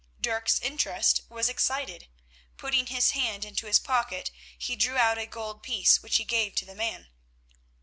Dirk's interest was excited. Putting his hand into his pocket he drew out a gold piece, which he gave to the man.